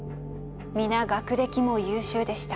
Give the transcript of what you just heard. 皆学歴も優秀でした。